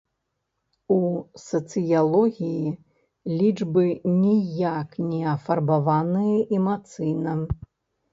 У сацыялогіі лічбы ніяк не афарбаваныя эмацыйна.